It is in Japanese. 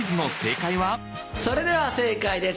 それでは正解です